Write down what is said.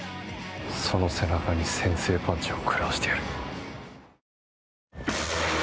その背中に先制パンチを食らわしてやる。